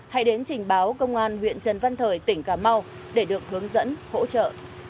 hãy đến trình báo công an huyện trần văn thời tỉnh cà mau để được hướng dẫn hỗ trợ